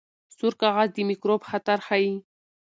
سور کاغذ د میکروب خطر ښيي.